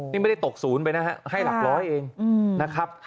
นี่ไม่ได้ตกศูนย์ไปนะฮะให้หลักร้อยเองนะครับ